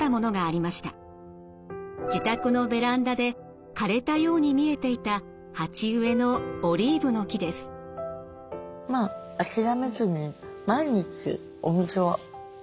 自宅のベランダで枯れたように見えていた鉢植えのオリーブの木です。って思って。